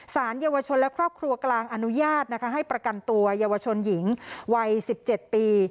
สารเยาวชนและครอบครัวกลางอนุญาตนะคะให้ประกันตัวเยาวชนหญิงวัย๑๗ปี